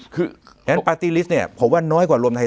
เพราะฉะนั้นปาร์ตี้ลิสต์เนี่ยก็บอว์ดน้อยกว่าลมไทย